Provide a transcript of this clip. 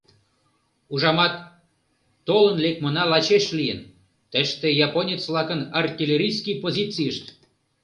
«Ужамат, толын лекмына лачеш лийын: тыште японец-влакын артиллерийский позицийышт.